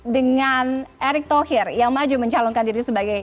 dengan erick thohir yang maju mencalonkan diri sebagai